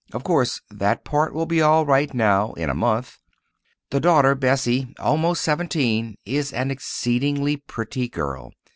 Of course, that part will be all right now—in a month. The daughter, Bessie (almost seventeen), is an exceedingly pretty girl.